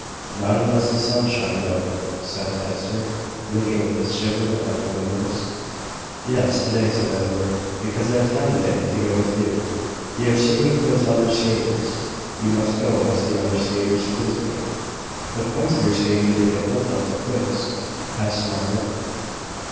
"Not unless the sun shines out," said Hester, looking with a shiver up at the windows. "Yes, to day," said Edward, "because I have time to day to go with you. You have seen me quiz other skaters: you must go and see other skaters quiz me." "What points of your skating do they get hold of to quiz?" asked Margaret.